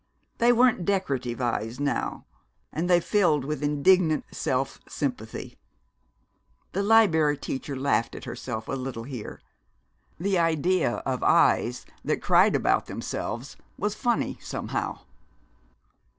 They weren't decorative eyes now ... and they filled with indignant self sympathy. The Liberry Teacher laughed at herself a little here. The idea of eyes that cried about themselves was funny, somehow.